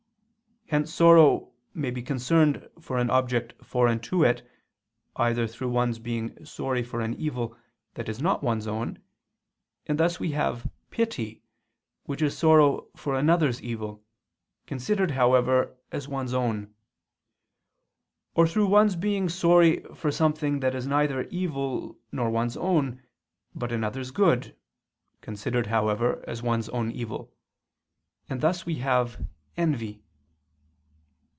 _ Hence sorrow may be concerned for an object foreign to it either through one's being sorry for an evil that is not one's own; and thus we have pity which is sorrow for another's evil, considered, however, as one's own: or through one's being sorry for something that is neither evil nor one's own, but another's good, considered, however, as one's own evil: and thus we have _envy.